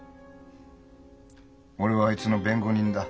俺はあいつの弁護人だ。